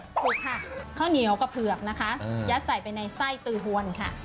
ถูกค่ะข้าวเหนียวกับเผือกนะคะยัดใส่ไปในไส้ตือหวนค่ะ